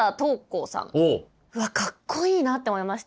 うわかっこいいなって思いました。